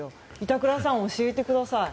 板倉さん、教えてください。